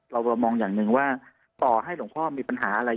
เรามองอย่างหนึ่งว่าต่อให้หลวงพ่อมีปัญหาอะไร